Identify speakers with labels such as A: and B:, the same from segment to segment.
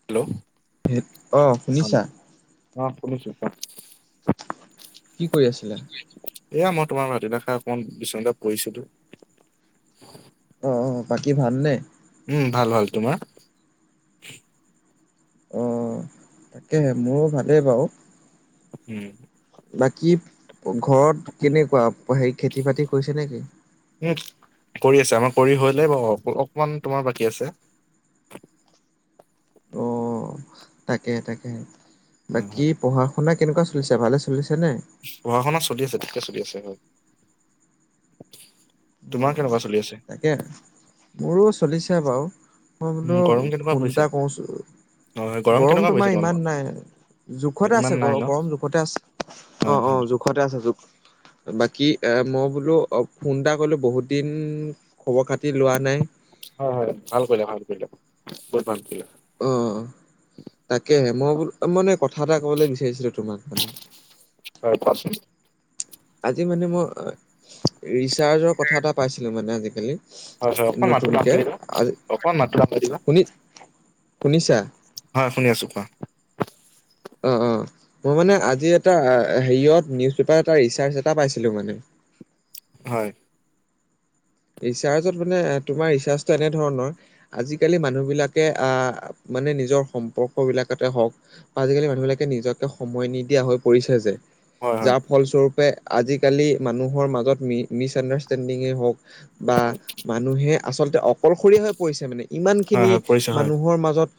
A: Hello,
B: অ', শুনিছা
A: [unintelligible] অ', শুনিছোঁ, কোৱা?
B: কি কৰি আছিলা?
A: এইয়া মই তোমাৰ ভাতকেইটা খায় অকমান বিচনাতে পঢ়িছিলোঁ।
B: অ', অ', বাকী ভালনে?
A: উম, ভাল ভাল, তোমাৰ?
B: অ', তাকেহে, মোৰো ভালেই বাৰু।
A: উম।
B: বাকী ঘৰত কেনেকুৱা? হেৰি খেতি বাতি কৰিছে নেকি?
A: উম, কৰি আছে, আমাৰ কৰি হলেই বাৰু, অলপমান তোমাৰ বাকী আছে।
B: অ', তাকেহে তাকেহে,
A: হয়
B: বাকী
A: হয়
B: পঢ়া শুনা কেনেকুৱা চলিছে? ভালে চলিছে নে?
A: পঢ়া শুনা চলি আছে, ঠিকেই চলি আছে, হয়। তোমাৰ
B: উম,
A: কেনেকুৱা চলি আছে
B: তাকেহে, মোৰো চলিছে বাৰু। মই
A: উম
B: বোলো
A: গৰম কেনেকুৱা
B: ফোন
A: পৰিছে
B: এটা কৰোচোন,
A: হয় হয়,
B: গৰম
A: কেনেকুৱা
B: তোমাৰ
A: পৰিছে
B: ইমান
A: তোমালোকৰ
B: নাই।
A: হয়,
B: জোখতে আছে,
A: ইমান নাই ন
B: গ-গৰম জোখতে আছে,
A: হয়
B: অ',
A: হয়
B: অ', জোখ ঘৰতে আছে জোখ। বাকি এ মই বোলো অ' ফোন এটা- বোলো বহুত দিন খবৰ খাতি লোৱা নাই।
A: হয় হয়, ভাল কৰিলে ভাল কৰিলে। বহুত ভাল কৰিলে।
B: অ তাকেহে, মইবোলো মানে কথা এটা ক'বলৈ বিচাৰিছিলোঁ তোমাক।
A: হয়, কোৱাচোন।
B: আজি মানে মই ৰিচাৰ্জৰ কথা এটা পাইছিলোঁ, মানে আজিকালি।
A: হয় হয়, অকনমান মাতটো
B: নতুনকে
A: ডাঙৰকে দিবা। অকনমান মাতটো ডাঙৰকে দিবা।
B: শুনিছাঁ!
A: হয়, শুনি আছোঁ কোৱা।
B: অ'অ', মই মানে আজি এটা হেৰিয়ত নিউজ পেপাৰত এটা ৰিচাৰ এটা পাইছিলোঁ মানে।
A: হয়।
B: ৰিচাৰ্জত মানে, তোমাৰ ৰিচাৰ্জটো এনেধৰণৰ। আজিকালি মানুহ বিলাকে অ'নিজৰ সম্পৰ্ক বিলাকতে হওঁক। আজিকালি মানুহ বিলাকে নিজকে সময় নিদিয়া হৈ পৰিছে যে।
A: হয় হয়
B: যাৰ ফলস্বৰূপে আজিকালি মানুহৰ মাজত মিছ আন্দাৰষ্টেণ্ডিং হওঁক। বা
A: হয়
B: মানুহে আচলতে অকলশৰীয়া হৈ পৰিছে মানে। ইমান
A: হয়
B: খিনি
A: হয়, পৰিছে হয়
B: মানুহৰ মাজত,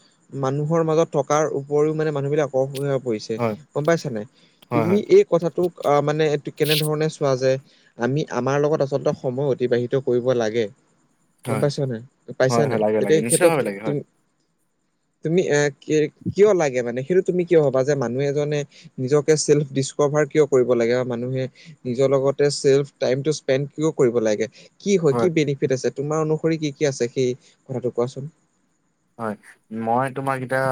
B: মানুহৰ মাজত থকাৰ উপৰিও মানে মানুহবিলাক- অসুবিধাত পৰিছে,
A: হয়
B: গম পাইছা নে নাই।
A: হয়
B: তুমি
A: হয়
B: এই- কথাটোক মানে কেনেধৰণে চোৱা যায়, আমি আমাৰ লগত আচলতে সময় অতিবাহিত কৰিব লাগে। গম
A: হয়
B: পাইছান নাই, পাইছা
A: হয় হয়
B: নাই।
A: লাগে লাগে
B: তেতিয়া ক্ষেত্ৰত
A: নিশ্চিতভাৱে লাগে হয়
B: তুমি- তুমি এ কিয় লাগে মানে, সেইটো তুমি কিয় ভাবা যে, মানুহ এজনে নিজকে চেল্ফ ডিচকভাৰ কিয় কৰিব লাগে বা মানুহে- নিজৰ লগতে চেল্ফ টাইমটো স্পেণ্ড কিয় কৰিব লাগে। কি হয়, কি বেনিফিট আছে। তোমাৰ অনুসৰি কি কি আছে সেই কথাটো কোৱাচোন।
A: হয়, মই তোমাক এতিয়া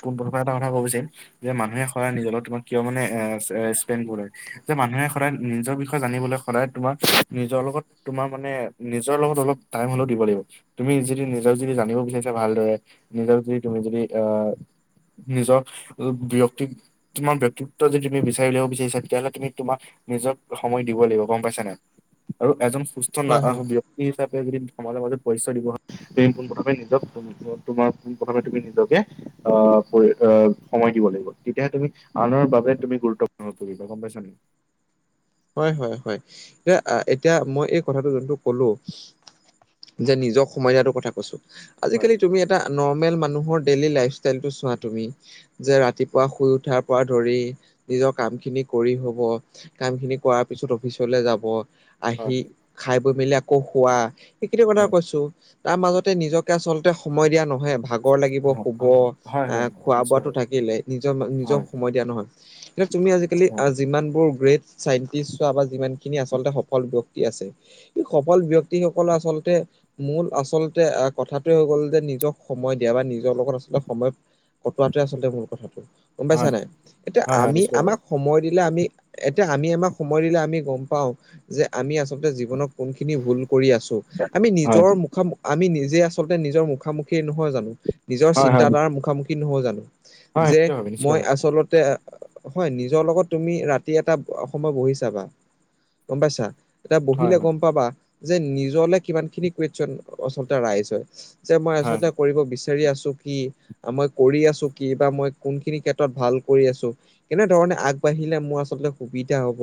A: পোন প্ৰথমে এটা কথা ক'ব বিছাৰিম। যে মানুহে সদায় নিজৰ ওপৰত কিয় মানে, এ স্পেণ্ড কৰে। যে মানুহে সদায় নিজৰ বিষয়ে জানিবলৈ সদায় তোমাৰ, নিজৰ লগত তোমাৰ মানে নিজৰ লগত অলপ টাইম হ'লেও দিব লাগিব। তুমি যদি নিজক যদি জানিব বিচাৰিছা ভালদৰে, নিজক যদি তুমি যদি অ', নিজৰ ব্যক্তিক- তোমাৰ ব্যক্তিত্ব যদি তুমি বিচাৰি উলিয়ায় বিছাৰিছা, তেতিয়াহ'লে তুমি তোমাক- নিজক সময় দিব লাগিব, গম পাইছা নে নাই আৰু এজন সুস্থ-
B: হয় হয়
A: নাজানোঁ দিয়ক, ব্যক্তি হিচাপে যদি সমাজৰ মাজত পৰিচয় দিব বিচাৰে। পোন প্ৰথমে নিজক- তোমাৰ পোন প্ৰথমে তুমি নিজকে অ', পঢ়ি সময় দিব লাগিব, তেতিয়াহে তুমি আনৰ বাবে তুমি গুৰুত্বপূৰ্ণ পৰিবা। গম পাইছা নে।
B: হয় হয় হয়, এতিয়া এতিয়া মই এই কথাটো যোনটো কলোঁ। যে নিজক সময় দিয়াটো কথা কৈছোঁ,
A: হয়
B: আজিকালি তুমি- এটা নৰ্মেল মানুহৰ ডেইলি লাইফষ্টাইল টো চোৱা তুমি। যে ৰাতিপুৱা শুই উঠাৰ পৰা ধৰি নিজৰ কাম খিনি কৰি হ'ব। কামখিনি- খোৱাৰ পিছত অফিচলৈ যাব,
A: হয়
B: আহি খাই বৈ মেলি আকৌ শুৱা। সেইখিনি কথা কৈছোঁ, তাৰ মাজতে নিজকে আচলতে সময় দিয়া নহয়। ভাগৰ লাগিব
A: হয়
B: শুব,
A: হয় হয় হয়
B: আহ্
A: নিশ্চয়
B: খোৱা-বোৱাতো
A: হ'ব
B: থাকিলেই। নিজৰ নিজক
A: হয়
B: সময় দিয়া নহয়। তুমি আজিকালি
A: হয়
B: যিমানবোৰ গ্ৰেড- চাইন্তিষ্ট চোৱা বা, যিমানখিনি আচলতে সফল ব্যক্তি আছে। সফল ব্যক্তি সকল আচলতে মূল আচলতে কথাটো হৈ গ'ল যে নিজক সময় দিয়া বা নিজৰ লগত আচলতে সময়ত কটোৱাতোৱে আচলতে মূল কথাটো গম পাইছা
A: হয়
B: নাই এতিয়া
A: হয় হয়
B: আমি
A: নিশ্চয় হ'ব
B: আমাক সময় দিলে আমি তেতিয়া আমি আমাক সময় দিলে আমি গম পাও যে আমি আচলতে জীৱনত কোনখিনি ভুল কৰি আছো আমি
A: হয়
B: নিজৰ
A: হয়
B: মুখামুখি আমি নিজে আচলতে নিজৰ মুখামুখি নহয় জানো নিজৰ
A: হয় হয়
B: চিন্তাধাৰ মুখামুখি নহয় জানো যে
A: নিশ্চয় ভাবে নিশ্চিত
B: মই
A: ভাবে
B: আচলতে হয় নিজৰ লগত তুমি ৰাতি এটা অকণমান বহি চাবা গম পাইছা এতিয়া
A: হয়
B: বহিলে
A: হয়
B: গম পাবা যে নিজলে কিমান খিনি কুইৱেচন আচলতে ৰাইচ হয় যে মই
A: হয়
B: আচলতে কৰিব বিচাৰ বিচাৰি আছো কি আমাৰ কৰি আছো কি বা মই কোনখিনি ক্ষেত্ৰত ভাল কৰি আছো কেনেধৰণে আগবাঢ়িলে মোৰ আচলতে সুবিধা হব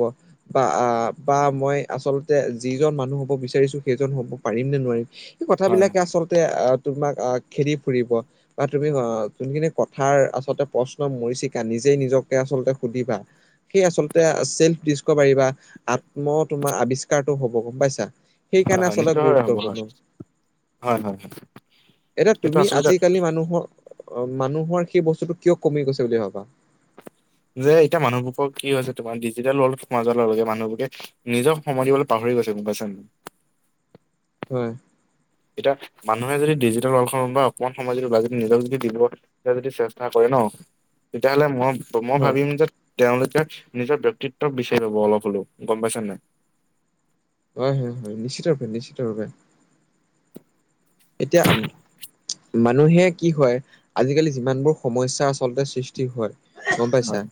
B: বা আ বা মই আচলতে যিজন মানুহ হ'ব বিচাৰিছো সেইজন হ'ব পাৰিম নে নোৱাৰিম সেই
A: হয় হয়
B: কথাবিলাকে আচলতে আহ তোমাক আহ খেদি ফুৰিব বা তুমি অ যোনখিনি কথাৰ আচলতে প্ৰশ্নৰ মৰিছিকা নিজেই নিজকে আচলতে সুধিবা কি আছিল যে চেল্ফ ডিচকভাৰী পাৰিবা আত্ম তোমাৰ আৱিষ্কাৰটো হ'ব গম পাইছা সেই
A: হয়
B: কাৰণে
A: হয়
B: আচলতে
A: নিশ্চিতভাৱে হ'ব হয়
B: গুৰুত্বপূৰ্ণ
A: হয় হয় হয়
B: এতিয়া
A: এইটো
B: তুমি
A: আচলতে
B: আজিকালি মানুহৰ অ মানুহৰ সেই বস্তুটো কিয় কমি গৈছে বুলি ভাবা
A: যে এতিয়া মানুহবোৰৰ কি হৈছে তোমাৰ ডিজিটেল [unintelligible] নিজক সময় দিবলে পাহৰি গৈছে গম পাইছা নাই
B: হয়
A: এতিয়া মানুহে যদি ডিজিটেল ৱৰ্লডখনৰ পৰা অকণমান সময় যদি বা যদি নিজক যদি দিব এতিয়া যদি চেষ্টা কৰে ন তেতিয়া হ'লে মই মই
B: হয়
A: ভাবিম যে তেওঁলোকে নিজৰ ব্যক্তিত্বক বিচাৰি পাব অলপ হ'লেও গম পাইছা নাই
B: হয় হয় হয় নিশ্চিত ভাৱে নিশ্চিত ভাৱে এতিয়া মানুহে কি হয় আজিকালি যিমানবোৰ সমস্যা আচলতে সৃষ্টি হয় গম পাইছা
A: হয়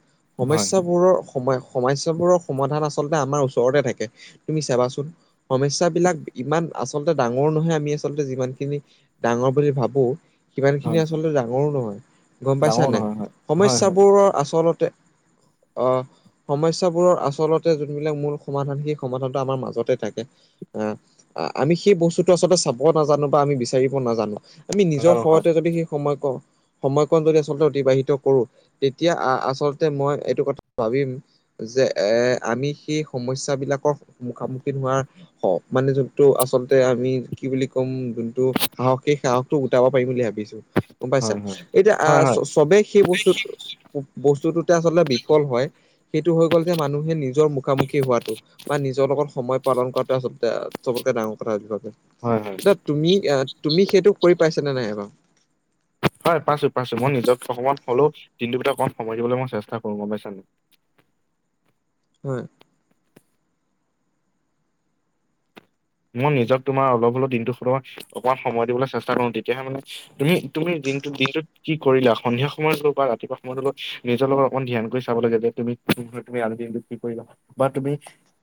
A: হয় হয়
B: সমস্যাবোৰৰ সম সমস্যাবোৰৰ সমাধান আচলতে আমাৰ ওচৰতে থাকে তুমি চাবাচোন সমস্যাবিলাক ইমান আচলতে ডাঙৰ নহয় আমি আচলতে যিমান খিনি ডাঙৰ বুলি ভাবো সিমানখিনি
A: হয়
B: আচলতে ডাঙৰো নহয় গম পাইছা
A: ডাঙৰ
B: নাই
A: নহয় হয় হয় হয়
B: সমস্যাবোৰ আচলতে অহ সমস্যাবোৰৰ আচলতে যোনবিলাক মূল সমাধান সেই সমাধানটো আমাৰ মাজতে থাকে অ আমি সেই বস্তুটো আচলতে চাব নাজানো বা আমি বিচাৰিব নাজানো আমি নিজৰ
A: নাজানো হয়
B: সময়তে যদি সেই সময় কওঁ সময়কন যদি আচলতে অতিবাহিত কৰো তেতিয়া আ আচলতে মই এইটো কথা ভাবিম যে এহ আমি সেই সমস্যা বিলাকৰ মুখামুখী হোৱা হ মানে যোনটো আচলতে আমি কি বুলি ক'ম যোনটো সাহস সেই সাহসটো গোটাব পাৰিম বুলি ভাবিছো গম পাইছা
A: হয় হয়
B: এতিয়া আহ
A: হয় হয়
B: চবেই সেই বস্তুটো বস্তুটোতে আচলতে বিফল হয় সেইটো হৈ গ'ল যে মানুহে নিজৰ মুখামুখি হোৱাটো বা নিজৰ লগত সময় পালন কৰাটো আচলতে চবতকে ডাঙৰ কথা বুলি ভাবো
A: হয় হয়
B: তুমি আ তুমি সেইটো কৰি পাইছা নে নাই এবাৰো?
A: হয় পাইছো পাইছো মই নিজক অকণমান হ'লেও দিনটোৰ ভিতৰত অকণমান সময় দিবলৈ মই চেষ্টা কৰো গম পাইছা নাই।
B: হয়।
A: মই নিজক তোমাৰ অলপ হ'লেও দিনটোত অকণমান সময় দিবলৈ চেষ্টা কৰো, তেতিয়াহে মানে তুমি তুমি দিনটো দিনটোত কি কৰিলা সন্ধিয়া সময়ত হওঁক বা ৰাতিপুৱা সময়ত অলপ নিজৰ লগত অকণমান ধ্যান কৰি চাব লাগে যে তুমি নহয় তুমি আজিৰ দিনটোত কি কৰিবা বা তুমি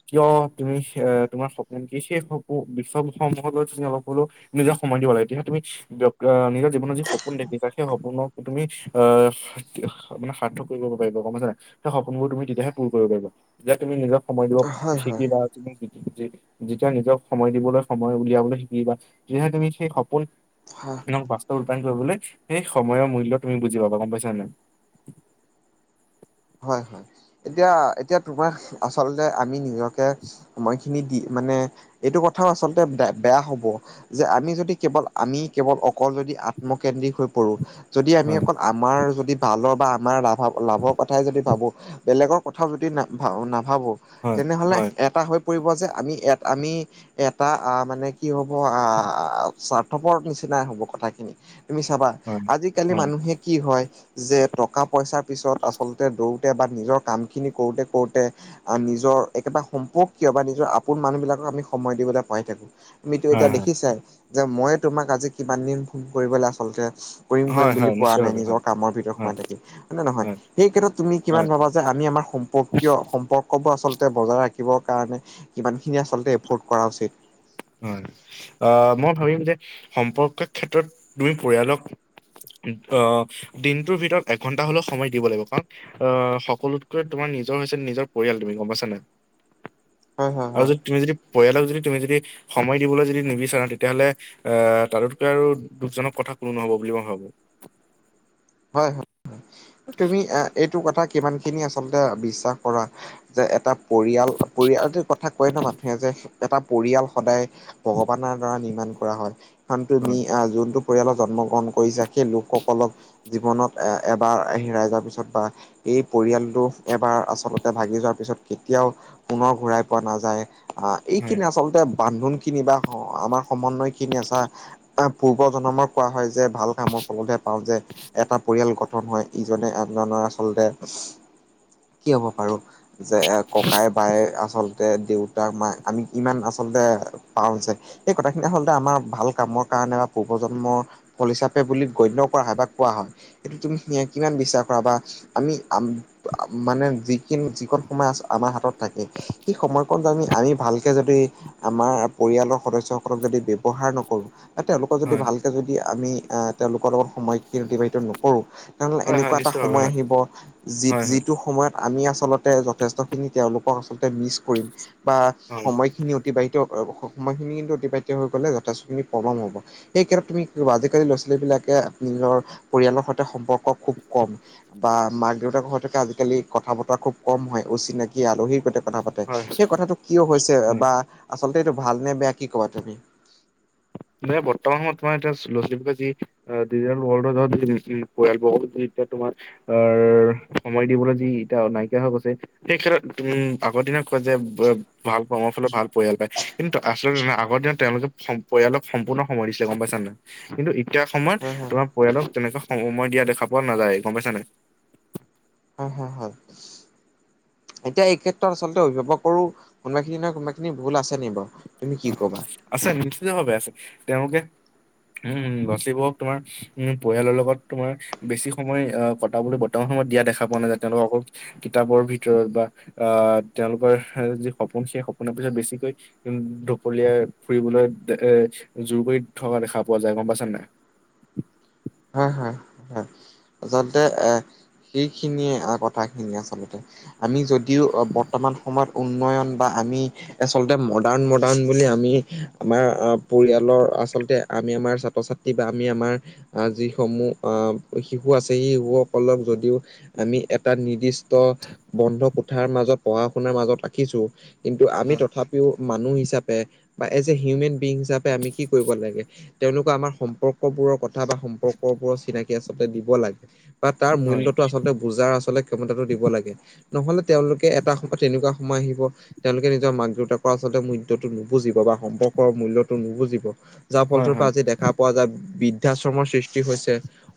A: কিয় তুমি আহ তোমাৰ সপোন কি শেষ সপো বিশ্ব বিষয় সমূহলৈ তুমি অলপ হ'লেও নিজে সময় দিব লাগে, তেতিয়া হে তুমি আহ নিজ জীৱনৰ যি সপোন দেখিছা সেই সপোনক তুমি আহ মানে সাৰ্থক কৰিব পাৰিবা গম পাইছা নে নাই সেই সপোনবোৰ তুমি তেতিয়াহে পূৰ কৰিব পাৰিব, যে তুমি নিজক সময় দিব
B: হয় হয়
A: শিকিবা তুমি যে যেতিয়া নিজক সময় দিবলৈ সময় উলিয়াবলৈ শিকিবা তেতিয়াহে তুমি সেই সপোন
B: হা
A: বাস্তৱ ৰূপায়ণ কৰিবলৈ সেই সময়ৰ মূল্য তুমি বুজি পাবা গম পাইছা নে নাই।
B: হয় হয় এতিয়া এতিয়া তোমাৰ আচলতে আমি নিজকে সময় খিনি দি মানে এইটো কথাও আচলতে বে বেয়া হ'ব। যে আমি যদি কেৱল আমি কেৱল অ অকল যদি আত্মকেন্দ্ৰিক হৈ পৰো, যদি আমি
A: হয়
B: অকল আমাৰ যদি ভালৰ বা আমাৰ লা ভা লাভৰ কথাই যদি ভাবো, বেলেগৰ কথাই যদি না ভা নাভাবো
A: হয়
B: তেনেহ'লে
A: হয়
B: এটা হৈ পৰিব যে আমি এট আমি এটা আহ মানে কি হ'ব আহ সাৰ্থপৰ নিচিনা হ'ব কথাখিনি। তুমি চাবা
A: হয়
B: আজিকালি
A: হয়
B: মানুহে কি হয় যে টকা পইচাৰ পিছত আ চলতে দৌৰোঁতে বা নিজৰ কামখিনি কৰোঁতে কৰোঁতে আৰু নিজৰ একেটা সম্পৰ্কীয় বা নিজৰ আপোন মানুহ বিলাকক আমি সময় দিবলৈ পাহৰি থাকো। তুমিতো
A: হয়
B: এতিয়া
A: হয়
B: দেখিছাই যে মইয়ে তোমাক আজি কিমান দিন ফোন কৰিবলৈ আচলতে কৰিম কৰিম
A: হয়
B: বুলি
A: হয়
B: পোৱা নাই
A: নিশ্চয়ভাৱে হয়
B: নিজৰ কামৰ ভিতৰত
A: হয়
B: সোমাই থাকিম, হয় নে নে নহয়। সেই ক্ষেত্ৰত তুমি
A: হয়
B: কিমান ভাবা যে আমি আমাৰ সম্পৰ্কীয় সম্পৰ্ক ক'ব আচলতে বজাৰ ৰাঁখিবৰ কাৰণে কিমানখিনি আচলতে এফৰ্ড কৰা উচিত।
A: হয় আহ মই ভাবিম যে সম্পৰ্ক ক্ষেত্ৰত তুমি পৰিয়ালক আহ দিনটোৰ ভিতৰত এঘন্টা হলেও সময় দিব লাগিব কাৰণ আ সকলোতকৈ তোমাৰ নিজৰ হৈছে নিজৰ পৰিয়াল, তুমি গম পাইছা নাই?
B: [unintelligible]
A: আৰু
B: হয়
A: যদি তুমি যদি পৰিয়ালক যদি তুমি যদি সময় দিবলৈ যদি নিবিচাৰো তেতিয়াহ'লে আহ তাতোতকৈ আৰু দুখজনক কথা কোনো নহব বুলি মই ভাবো।
B: হয় হয় তুমি আ এইটো কথা কিমান খিনি আচলতে বিশ্বাস কৰা যে এটা পৰিয়াল পৰিয়াল কথা কয় ন মানুহে যে এটা পৰিয়াল সদায় ভগৱানৰ দ্বাৰা নিৰ্মাণ কৰা হয়। হান তুমি
A: হয়
B: আহ যোনটো পৰিয়ালত জন্ম গ্ৰহণ কৰিছা সেই লোকসকলক জীৱনত এ এবাৰ হেৰাই যোৱাৰ পিছত বা এই পৰিয়ালটো এবাৰ আচলতে ভাগি যোৱাৰ পিছত কেতিয়াও পুনৰ ঘূৰাই পোৱা নাযায়। আহ
A: হয়
B: এইখিনি আচলতে বান্ধোন খিনি বা আমাৰ সমন্বয় খিনিয়ে ছা আহ পূৰ্ব জন্মক কোৱা হয় যে ভাল কামৰ ফলতহে পাওঁ যে এটা পৰিয়াল গঠন হয় ইজনে আনজনৰ আচলতে কি হ'ব পাৰো। যে এ ককাই বায়েক আচল দে দেউতা মা আমি ইমান আচলতে পাওঁ যে এই কথাখিনি আচলতে আমাৰ ভাল কামৰ কাৰণে বা পূৰ্বজন্মৰ ফল হিচাপে বুলি গণ্য কৰা হয়, বা কোৱা হয়, এইটো তুমি কি-কিমান বিশ্বাৰ কৰা? বা আমি আম মানে যিখিন যিকণ সময় আচ-আমাৰ হাতত থাকে সেই সময়কণ জানি আমি ভালকে যদি আমাৰ পৰিয়ালৰ সদস্যসকলক যদি ব্যয়ৱহাৰ নকৰোঁ। তেওঁলোকৰ যদি
A: হয়
B: ভালকে যদি আমি আ, তেওঁলোকৰ লগত সময় সেইটো নকৰোঁ, তেনেহ'লে
A: হয় হয়
B: এনেকুৱা এটা
A: নিশ্চয় ভাৱে
B: সময়
A: হয়
B: আহিব
A: হয় হয়
B: যি-যিটো সময়ত আমি আচলতে যথেষ্টখিনি তেওঁলোকক আচলতে মিচ কৰিম, বা
A: হয়
B: সময়খিনি অতিবাহি [unintelligible] সময়খিনি কিন্তু অতিবাহিত হৈ গ'লে যথেষ্টখিনি প্ৰবম হ'ব। সেই ক্ষেত্ৰত তুমি কি ক'বা? আজিকালি ল'ৰা ছোৱালী বিলাকে নিজৰ পৰিয়ালৰ সৈতে সম্পৰ্ক খুব কম। বা মাক দেউতাক ঘতে থাকে আজিকালি কথা বতৰা খুব কম হয়, অচিনাকি আলহীৰ গতে কথা পাতে।
A: হয়
B: সেই কথাটো কিয় হৈছে
A: হয়
B: বা আচলতে এইটো ভাল নে বেয়া কি ক'বা তেমি?
A: মানে বৰ্তমান সময়ত তোমাৰ এতিয়া লৰা ছোৱালীবোৰে যি ডিজিটেল ৱৰ্ল্ডৰ যহত [unintelligible] পৰিয়ালবৰ্গ [unintelligible] এতিয়া তোমাৰ অৰ, সময় দিবলৈ যি এতিয়া নাইকিয়া হৈ গৈছে। সেই ক্ষেত্ৰত উম, আগৰ দিনত কয় যে, ব-ভাল কৰ্মৰ ফালত ভাল পৰিয়াল পায়। কিন্তু আচলতে না আগৰ দিনত তেওঁলোকে সম পৰিয়ালক সম্পূৰ্ণ সময় দিছিলে গম পাইছা নাই? কিন্তু এতিয়া সময়ত,
B: হয় হয়
A: তোমাৰ পৰিয়ালক তেনেকুৱা স-সময় দিয়া দেখা পোৱা নাযায় গম পাইছ নাই?
B: হয়, হয়, হয়। এতিয়া এই ক্ষেত্ৰত আচলতে অভিভাৱকৰো কোনোবাখিনি নহয় কোনোবাখিনি ভুল আছে নি বাৰু, তুমি কি কবা?
A: আছে নিশ্চিত ভাৱে আছে। তেওঁলোকে উম, লৰা ছোৱালী বোৰক তোমাৰ উম, পৰিয়ালৰ লগত তোমাৰ বেছি সময় আ, কটাবলৈ বৰ্তমান সময়ত দিয়া দেখা পোৱা নাযায় তেওঁলোকক অকল কিতাপৰ ভিতৰত বা আ, তেওঁলোকৰ যি সপোন সেই সপোনৰ পিছত বেছিকৈ উম ঢপলিয়াই ফুৰিবলৈ এ, জোৰ কৰি থকা দেখা পোৱা যায় গম পাইছ নাই?
B: হয়, হয়, হয়। আচলতে এ, সেইখিনিয়ে আ কথাখিনি আচলতে। আমি যদিও বৰ্তমান সময়ত উন্নয়ন বা আমি আচলতে মডাৰ্ণ মডাৰ্ণ বুলি আমি আমাৰ পৰিয়ালৰ, আচলতে আমি আমাৰ ছাত্ৰ ছাত্ তি বা আমি আমাৰ আ, যিসমূহ আ, শিশু আছে সেই শিশুসকলক যদিও আমি এটা নিৰ্দিষ্ট বন্ধ কোঠাৰ মাজত পঢ়া শুনাৰ মাজত ৰাখিছোঁ। কিন্তু আমি
A: হয়,
B: তথাপিও মানুহ হিচাপে, বা এজ এ হিউমেন বিং হিচাপে আমি কি কৰিব লাগে? তেওঁলোকে আমাৰ সম্পৰ্ক বোৰৰ কথ থা বা সম্পৰ্ক বোৰৰ চিনাকি আচলতে দিব লাগে, বা তাৰ
A: হয়,
B: মূল্যটো আচলতে বুজাৰ আচলতে ক্ষমতাটো দিব লাগে। নহলে তেওঁলোকে এটা সময়ত তেনেকুৱা সময় আহিব তেওঁলোকে নিজৰ মাক দেউতাকৰ আচলতে মূল্যটো নুবুজিব বা সম্পৰ্কৰ মূল্যটো নুবুজিব। যাৰ
A: হয়,
B: ফলস্বৰূপ পৰা
A: হয়,
B: আজি দেখা পোৱা যায়, বিদ দ্বা আশ্ৰমৰ সৃষ্টি হৈছে,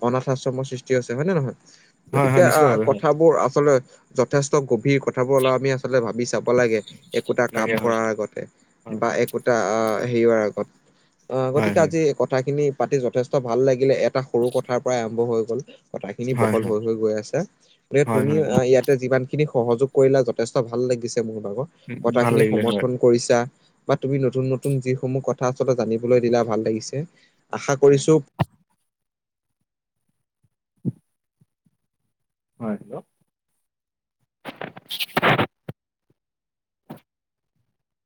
B: অনাথ আশ্ৰমৰ সৃষ্টি হৈছে, হয়ে নে নহয়?
A: হয়,
B: গতিকে
A: হয়,
B: আ,
A: নিশ্চিতভাৱে হয়,
B: কথাবোৰ আচলতে যথেষ্ট গভীৰ কথ কথাবোৰে আমি আচলতে ভাবি চাব লাগে একোটা কাম
A: লাগে হয়,
B: কৰাৰ আগতে।
A: হয়,
B: বা
A: হয়,
B: একো তা এ, হেৰিৱৰ আগত। অ',
A: হয়,
B: গতিকে
A: হয়,
B: আজি কথাখিনি পাতি যথেষ্ ত ভাল লাগিলে এটা সৰু কথাৰ পৰাই আৰম্ভ হৈ গ'ল। কথা খিনি
A: হয়,
B: বহল হৈ হৈ গৈ আছে। গতিকে
A: হয়,
B: তুমি
A: হয়,
B: আ,
A: হয়,
B: ইয়াতে যিমান খিনি সহযোগ কৰিলা যথেষ্ট ভাল লাগিছে মোৰ ভাগৰ,
A: উম, ভাল
B: কথাখিনি
A: লাগিলে হয়,
B: সমৰ্থন কৰিছা, বা তুমি নতুন নতুন যিসমূহ কথা আচলতে জানিবলৈ দিলা ভাল লাগিছে। আশা
A: হয়,
B: কৰিছো
A: হয়, হেল্ল'।